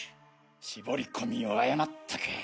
絞り込みを誤ったか。